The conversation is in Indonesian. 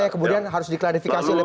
kemudian harus diklarifikasi oleh